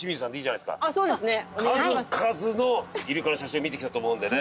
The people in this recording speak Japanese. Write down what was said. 数々のイルカの写真を見てきたと思うのでね。